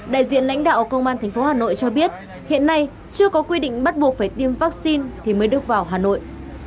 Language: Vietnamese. đại diện lãnh đạo công an thành phố hà nội cho biết hiện nay chưa có quy định bắt buộc phải tiêm vaccine thì mới được vào hà nội